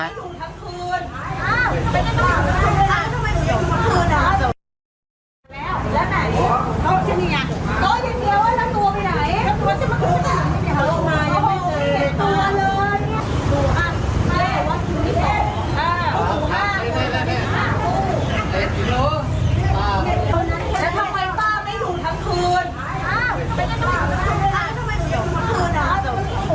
เอ้ยปลุ๊ก